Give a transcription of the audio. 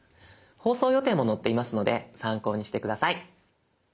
放送予定も載っていますので参考にして下さい。